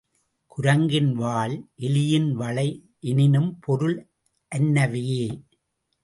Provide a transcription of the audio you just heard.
குரங்கின் வால், எலியின் வளை எனினும் பொருள் அன்னவையே.